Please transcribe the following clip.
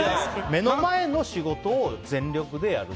目の前の仕事を全力でやる。